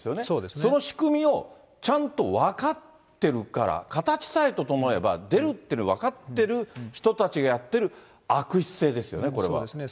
その仕組みをちゃんと分かってるから、形さえ整えば出るっての分かってる人たちがやってる、悪質性ですよね、これは。